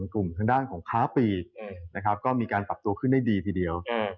กลุ่มทางด้านของค้าปีนะครับก็มีการปรับตัวขึ้นได้ดีทีเดียว